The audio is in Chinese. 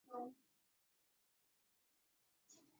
塔夸里廷加是巴西圣保罗州的一个市镇。